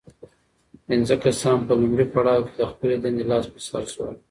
پنځه کسان په لومړي پړاو کې له خپلې دندې لاس په سر شول.